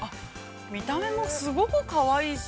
見た目もすごくかわいいし。